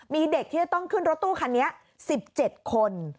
มีเด็กที่จะต้องขึ้นรถตู้คันนี้๑๗คน